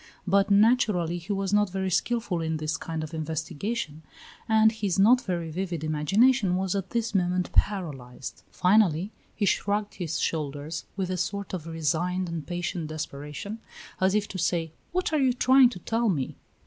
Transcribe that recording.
But, naturally, he was not very skilful in this kind of investigation, and his not very vivid imagination was at this moment paralyzed. Finally, he shrugged his shoulders with a sort of resigned and patient desperation, as if to say, "What are you trying to tell me?"